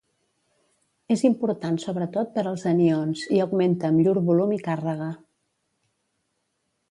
És important sobretot per als anions i augmenta amb llur volum i càrrega.